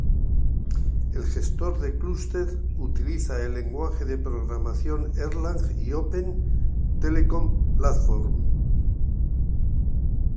El gestor de clúster utiliza el lenguaje de programación Erlang y Open Telecom Platform.